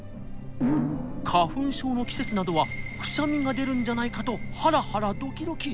花粉症の季節などはくしゃみが出るんじゃないかとハラハラドキドキ！